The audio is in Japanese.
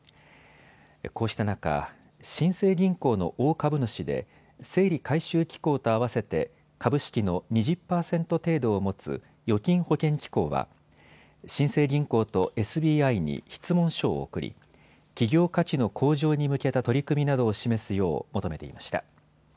こうした中、新生銀行の大株主で整理回収機構と合わせて株式の２０％程度を持つ預金保険機構は新生銀行とＳＢＩに質問書を送り企業価値の向上に向けた取り組みなどを示すよう求めていました。